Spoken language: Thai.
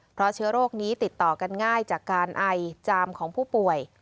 เพราะเชื้อโรคนี้ติดต่อกันง่ายจากการไอจามของผู้ป่วย